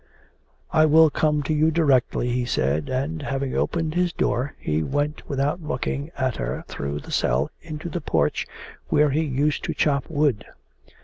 'I will come to you directly,' he said, and having opened his door, he went without looking at her through the cell into the porch where he used to chop wood.